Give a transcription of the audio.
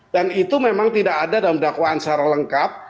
dan itu memang tidak ada dalam dakwaan secara lengkap